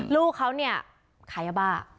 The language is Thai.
ลูกเขาเนี่ยขายยาบ้า